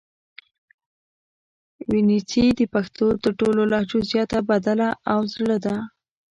وڼېڅي د پښتو تر ټولو لهجو زیاته بدله او زړه ده